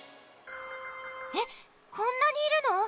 えっこんなにいるの？